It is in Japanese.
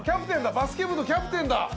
バスケ部のキャプテンだ。